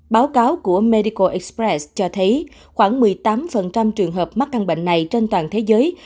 báo cáo của medical express cho thấy khoảng một mươi tám trường hợp mắc căn bệnh này trên toàn thế giới